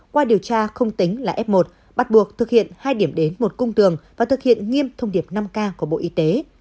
qua điều tra không tính là f một bắt buộc thực hiện hai điểm đến một cung đường và thực hiện nghiêm thông điệp năm k của bộ y tế